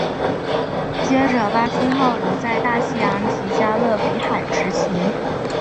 接着巴区号留在大西洋及加勒比海执勤。